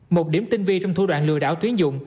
một điểm tinh vi trong thủ đoạn lừa đảo tuyển dụng